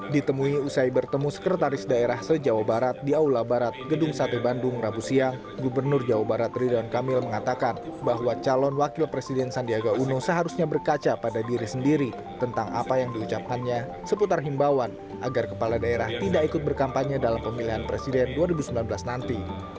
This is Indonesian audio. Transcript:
ditemui usai bertemu sekretaris daerah se jawa barat di aula barat gedung sate bandung rabu siang gubernur jawa barat ridwan kamil mengatakan bahwa calon wakil presiden sandiaga uno seharusnya berkaca pada diri sendiri tentang apa yang diucapkannya seputar himbawan agar kepala daerah tidak ikut berkampanye dalam pemilihan presiden dua ribu sembilan belas nanti